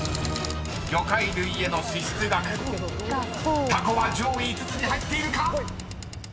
［魚介類への支出額タコは上位５つに入っているか⁉］